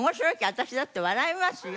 私だって笑いますよ。